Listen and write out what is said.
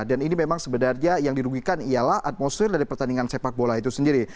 dan ini memang sebenarnya yang dirugikan ialah atmosfer dari pertandingan sepak bola itu sendiri